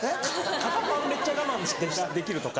肩パンめっちゃ我慢できるとか。